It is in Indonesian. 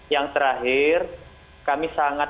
yang terakhir kami sangat